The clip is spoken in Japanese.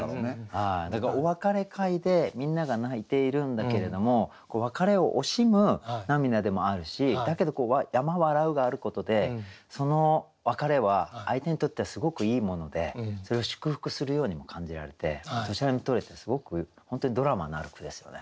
だからお別れ会でみんなが泣いているんだけれども別れを惜しむ涙でもあるしだけど「山笑ふ」があることでその別れは相手にとってはすごくいいものでそれを祝福するようにも感じられてどちらにもとれてすごく本当にドラマのある句ですよね。